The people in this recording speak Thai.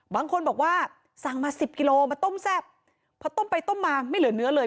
บางคนบอกว่าสั่งมาสิบกิโลมาต้มแซ่บพอต้มไปต้มมาไม่เหลือเนื้อเลย